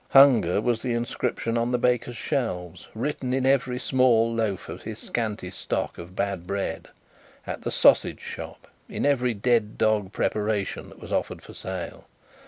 Hunger was the inscription on the baker's shelves, written in every small loaf of his scanty stock of bad bread; at the sausage shop, in every dead dog preparation that was offered for sale.